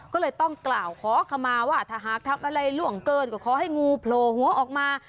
ก็เลยต้องกล่าวขอขมาว่าถ้าหากทำอะไรล่วงเกินก็ขอให้งูโผล่หัวออกมา